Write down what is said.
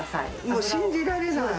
もう信じられない。